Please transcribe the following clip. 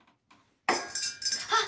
あっ！